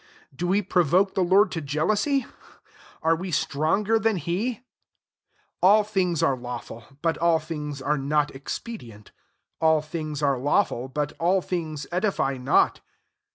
22 Do we provcAe the Lord to jealousy ? arc ire stronger than he ? 23 All things are lawful, bat all things are not expedient: all things are lawful, but til things edify not.